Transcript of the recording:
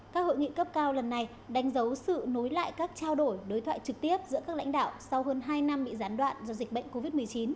các hội nghị cấp cao lần này đánh dấu sự nối lại các trao đổi đối thoại trực tiếp giữa các lãnh đạo sau hơn hai năm bị gián đoạn do dịch bệnh covid một mươi chín